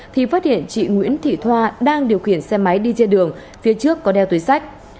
thì phát hiện chị nguyễn thị thoa đang điều khiển xe máy đi trên đường phía trước có đeo túi sách